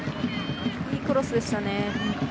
いいクロスでしたね。